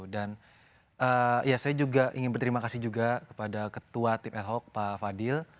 dan ya saya juga ingin berterima kasih juga kepada ketua tim ad hoc pak fadil